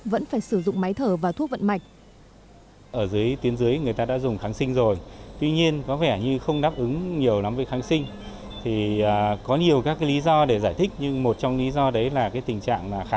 vẫn phải sử dụng máy thở và thuốc vận mạch